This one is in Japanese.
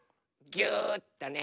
ぎゅっとね。